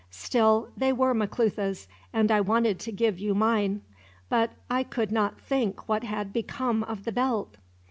Still, they were Maclutha's, and I wanted to give you mine; but I could not think what had become of the belt."